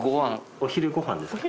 お昼ご飯ですか？